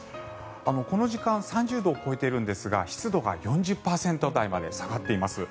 この時間３０度を超えているんですが湿度が４０％台まで下がっています。